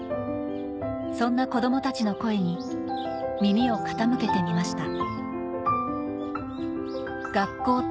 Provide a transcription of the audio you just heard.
そんな子供たちの声に耳を傾けてみました